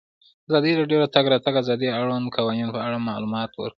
ازادي راډیو د د تګ راتګ ازادي د اړونده قوانینو په اړه معلومات ورکړي.